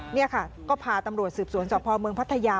นี่ค่ะก็พาตำรวจสืบสวนสพเมืองพัทยา